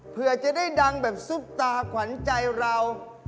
เพื่อจะได้ดังแบบซุปตาขวัญใจเรา